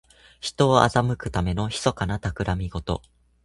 人を欺くためのひそかなたくらみごと。